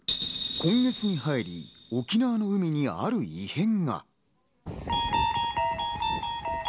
今月に入り、沖縄の海にある異変が。